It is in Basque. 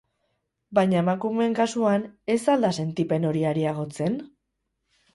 Baina emakumeen kasuan, ez al da sentipen hori areagotzen?